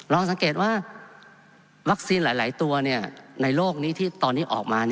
สังเกตว่าวัคซีนหลายตัวในโลกนี้ที่ตอนนี้ออกมา